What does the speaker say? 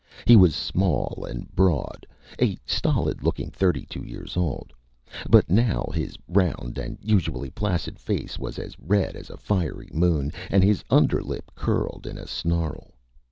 He was small and broad a stolid looking thirty two years old. But now his round and usually placid face was as red as a fiery moon, and his underlip curled in a snarl.